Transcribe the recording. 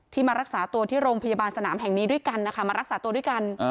มารักษาตัวที่โรงพยาบาลสนามแห่งนี้ด้วยกันนะคะมารักษาตัวด้วยกัน